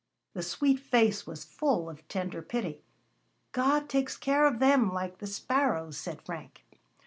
The sweet face was full of tender pity. "God takes care of them, like the sparrows," said Frank.